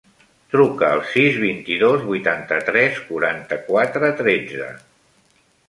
Truca al sis, vint-i-dos, vuitanta-tres, quaranta-quatre, tretze.